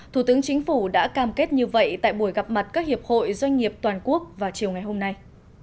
thủ tướng chính phủ đã cam kết như vậy tại buổi gặp mặt các hiệp hội doanh nghiệp toàn quốc vào chiều ngày hôm nay